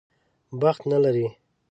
بخت نه لري.